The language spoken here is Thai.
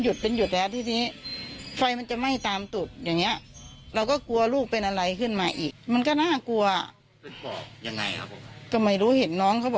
อย่างไรครับ